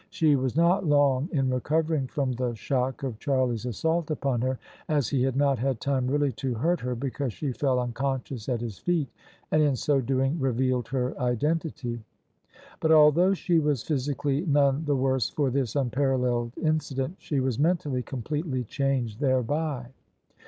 She was not long in recovering from the shock of Char lie's assault upon her, as he had not had time really to hurt her before she fell unconscious at his feet, and in so doing revealed her identity ; but although she was physically none the worse for this unparalleled incident, she was mentally completely changed thereby.